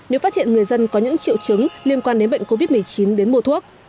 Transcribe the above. nếu phát hiện người dân có những triệu chứng liên quan đến bệnh covid một mươi chín đến mua thuốc